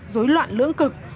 rối loạn lưỡng cực